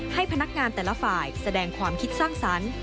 ให้พนักงานแต่ละฝ่ายแสดงความคิดสร้างสรรค์